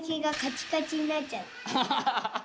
ハハハハッ！